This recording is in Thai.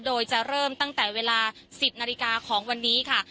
โดยจะเริ่มตั้งแต่เวลา๑๐นาฬิกาของวันนี้ค่ะ